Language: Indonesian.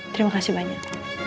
terima kasih banyak